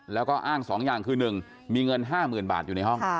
แล้วก็อ้าง๒อย่างคือ๑มีเงิน๕๐๐๐บาทอยู่ในห้อง